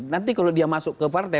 nanti kalau dia masuk ke partai